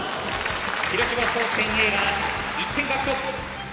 広島商船Ａが１点獲得。